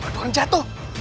mbak orang jatuh